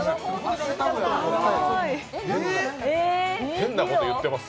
変なこと言ってます。